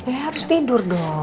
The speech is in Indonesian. ya harus tidur dong